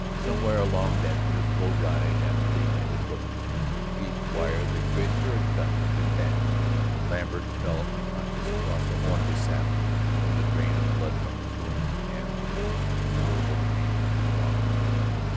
Somewhere along that miserable ride, after daylight had broken and the pieced wire that Grace Kerr had cut had been passed, Lambert fell unconscious across the horn of his saddle from the drain of blood from his wounds and the unendurable pain of his bonds.